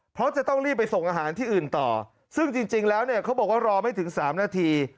เพราะจะต้องรีบไปส่งอาหารที่อื่นต่อซึ่งจริงแล้วเนี่ยเขาบอกว่ารอไม่ถึงสามนาที